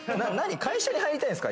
会社に入りたいんすか？